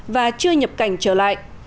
và chưa nhập cảnh trở lại